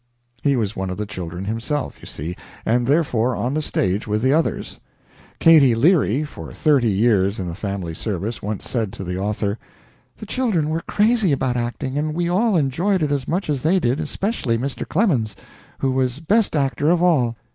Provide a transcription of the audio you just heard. He was one of the children himself, you see, and therefore on the stage with the others. Katy Leary, for thirty years in the family service, once said to the author: "The children were crazy about acting, and we all enjoyed it as much as they did, especially Mr. Clemens, who was the best actor of all.